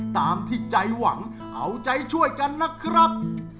ตามที่ใจหวังเอาใจช่วยกันนะครับ